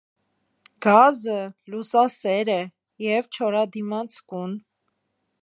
Գազը լուսասեր է և չորադիմացկուն։